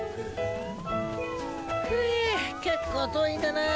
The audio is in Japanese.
ふぇ結構遠いんだなあ。